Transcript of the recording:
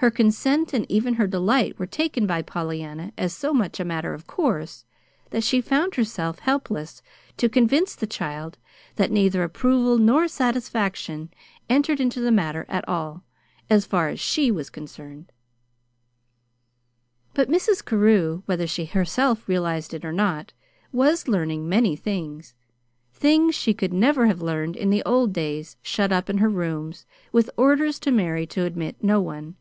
Her consent and even her delight were taken by Pollyanna as so much a matter of course that she found herself helpless to convince the child that neither approval nor satisfaction entered into the matter at all, as far as she was concerned. But Mrs. Carew, whether she herself realized it or not, was learning many things things she never could have learned in the old days, shut up in her rooms, with orders to Mary to admit no one.